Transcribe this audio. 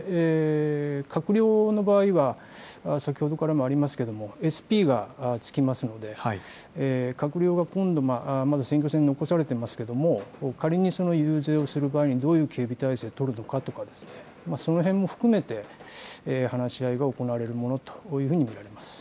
閣僚の場合は、先ほどからもありますけれども、ＳＰがつきますので、閣僚が、まだ選挙戦残されていますけれども、仮に遊説をする場合、どういう警備体制を取るのかとか、そのへんも含めて話し合いが行われるものというふうに見られます。